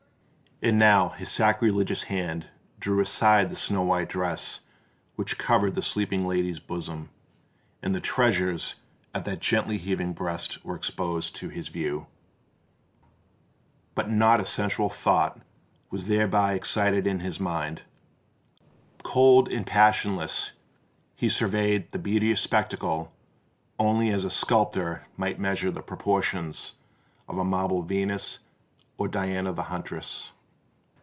And now his sacrilegious hands drew aside the snow white dress which covered the sleeping lady's bosom; and the treasures of that gently heaving breast were exposed to his view. But not a sensual thought was thereby excited in his mind: cold and passionless, he surveyed the beauteous spectacle only as a sculptor might measure the proportions of a marble Venus or Diana the huntress.